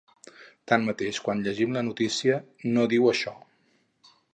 Tanmateix, quan llegim la notícia, no diu això.